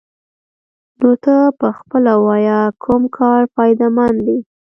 نو ته پخپله ووايه کوم کار فايده مند دې.